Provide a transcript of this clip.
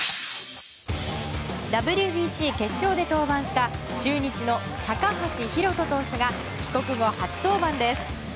ＷＢＣ決勝で登板した中日の高橋宏斗投手が帰国後初登板です。